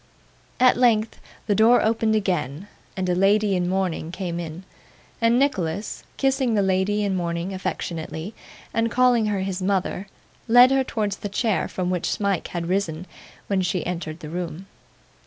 At length the door opened again, and a lady in mourning came in; and Nicholas kissing the lady in mourning affectionately, and calling her his mother, led her towards the chair from which Smike had risen when she entered the room.